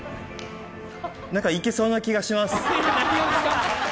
なんかいけそうな気がします。